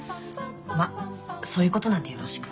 まっそういうことなんでよろしく。